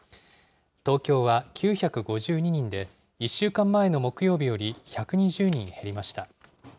東京は９５２人で、１週間前の木曜日より１２０人減りました。